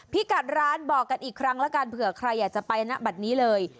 พี่กัดร้านบอกกันอีกครั้งแล้วกันเผื่อใครอยากจะไปนะบัตรนี้เลย